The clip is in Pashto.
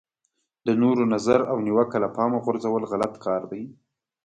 د نورو نظر او نیوکه له پامه غورځول غلط کار دی.